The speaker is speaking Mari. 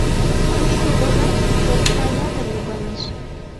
— Тушто, ойлат, окса ятыр логалеш.